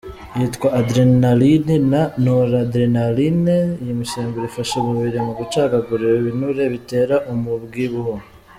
yitwa adrenaline na noradrenaline ,iyi misemburo ifasha umubiri mu gucagagura ibinura bitera umubwibuho.